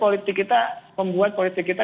politik kita membuat politik kita